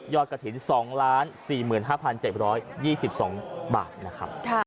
กระถิ่น๒๔๕๗๒๒บาทนะครับ